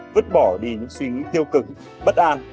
vứt bỏ đi những suy nghĩ tiêu cực bất an